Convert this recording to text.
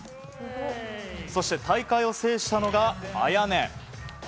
そして、大会を制したのがＡＹＡＮＥ。